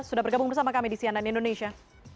sudah bergabung bersama kami di cnn indonesia